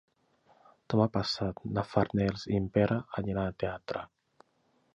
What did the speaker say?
Demà passat na Farners i en Pere aniran al teatre.